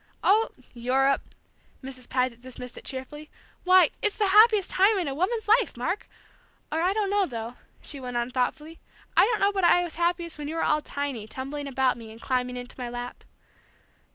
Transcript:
"Oh, Europe!" Mrs. Paget dismissed it cheerfully. "Why, it's the happiest time in a woman's life, Mark! Or I don't know, though," she went on thoughtfully, "I don't know but what I was happiest when you were all tiny, tumbling about me, and climbing into my lap....